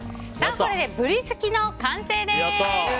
これでブリすきの完成です。